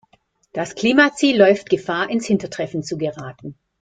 Das Klimaziel läuft Gefahr, ins Hintertreffen zu geraten.